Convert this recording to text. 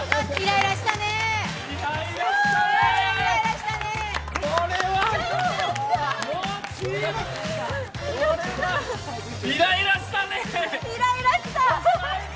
イライラした！